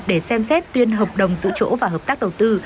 để xem xét tuyên hợp đồng giữ chỗ và hợp tác đầu tư